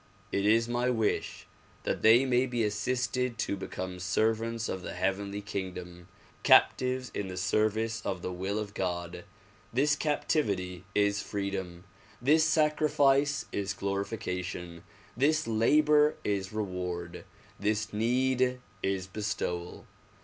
It is my wish that they may be assisted to become servants of the heavenly kingdom, captives in the service of the will of God. This captivity is freedom, this sacrifice is glorification, this labor is reward, this need is bestowal.